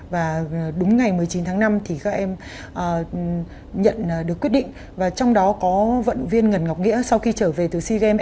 và đúng ngày một mươi chín tháng năm thì các em nhận được quyết định và trong đó có vận viên ngân ngọc nghĩa sau khi trở về từ sea games